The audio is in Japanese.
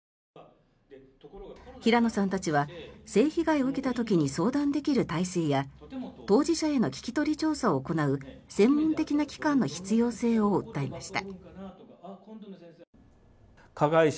平野さんたちは性被害を受けた時に相談できる体制や当事者への聞き取り調査を行う専門的な機関の必要性を訴えました。